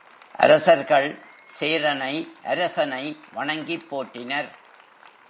அரசர்கள் சேரனை அரசனை வணங்கிப் போற்றினர்.